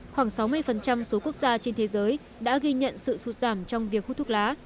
khoảng sáu mươi số quốc gia trên thế giới đã ghi nhận sự sụt giảm trong việc hút thuốc lá